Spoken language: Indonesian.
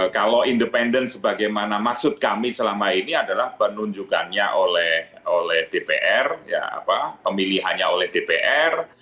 kalau independen sebagaimana maksud kami selama ini adalah penunjukannya oleh dpr pemilihannya oleh dpr